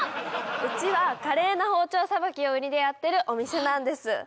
うちは華麗な包丁さばきを売りでやってるお店なんです。